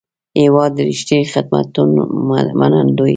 هېواد د رښتیني خدمتونو منندوی دی.